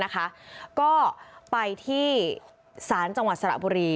ก็ไปที่ศาลจังหวัดสระบุรี